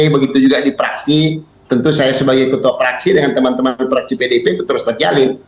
begitu juga di praksi tentu saya sebagai ketua praksi dengan teman teman praksi pdip itu terus terjalin